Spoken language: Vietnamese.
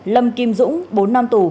lâm kim dũng bốn năm tù